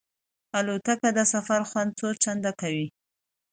الوتکه د سفر خوند څو چنده کوي.